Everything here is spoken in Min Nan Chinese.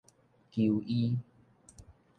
求醫